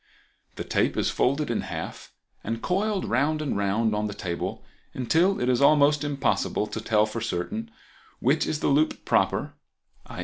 The tape is folded in half and coiled round and round on the table until it is almost impossible to tell for certain which is the loop proper, i.